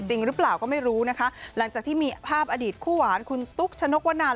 จริงหรือเปล่าก็ไม่รู้นะคะหลังจากที่มีภาพอดีตคู่หวานคุณตุ๊กชนกวนัน